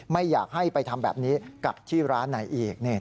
ไม่อยากให้ไปทำแบบนี้กับที่ร้านไหนอีก